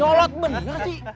nyalot bener sih